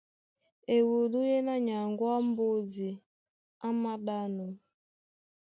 Ewudú yéná nyaŋgó á mbódi á māɗánɔ́,